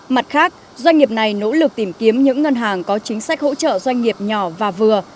mặt khác doanh nghiệp này nỗ lực tìm kiếm những ngân hàng có chính sách hỗ trợ doanh nghiệp nhỏ và vừa